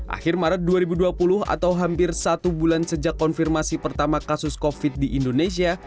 akhir maret dua ribu dua puluh atau hampir satu bulan sejak konfirmasi pertama kasus covid di indonesia